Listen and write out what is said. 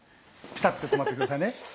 ピタッて止まって下さいね。